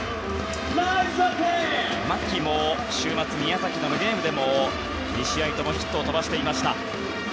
牧も、週末宮崎でのゲームでも２試合ともヒットを飛ばしていました。